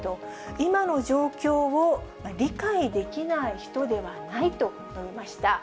今の状況を理解できない人ではないと述べました。